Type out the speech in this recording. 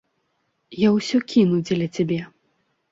Я ўсё кіну дзеля цябе.